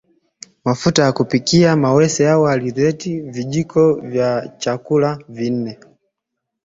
Mafuta ya kupikia mawese au alizeti Vijiko vya chakula nne